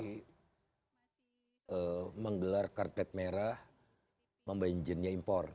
jadi menggelar karpet merah membanjirnya impor